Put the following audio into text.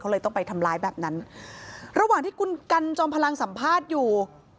เลยต้องไปทำร้ายแบบนั้นระหว่างที่คุณกันจอมพลังสัมภาษณ์อยู่